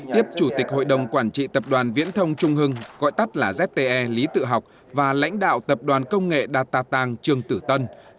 tiếp chủ tịch hội đồng quản trị tập đoàn viễn thông trung hưng gọi tắt là zte lý tự học và lãnh đạo tập đoàn công nghệ datatang trương tử tân